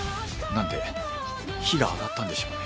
なんで火が上がったんでしょうね？